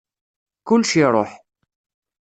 Kullec iṛuḥ.